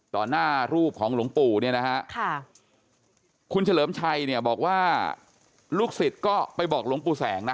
หน้ารูปของหลวงปู่เนี่ยนะฮะค่ะคุณเฉลิมชัยเนี่ยบอกว่าลูกศิษย์ก็ไปบอกหลวงปู่แสงนะ